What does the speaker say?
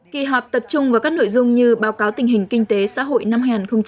kỳ họp tập trung vào các nội dung như báo cáo tình hình kinh tế xã hội năm hai nghìn một mươi chín